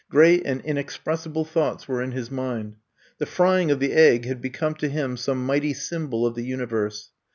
Great and inex pressible thoughts were in his mind. The frying of the egg had become to him some mighty symbol of the universe.